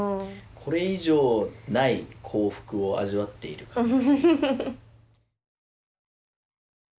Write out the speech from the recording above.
これ以上ない幸福を味わっている感じ。